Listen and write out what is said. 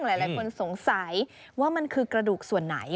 หลายคนสงสัยว่ามันคือกระดูกส่วนไหน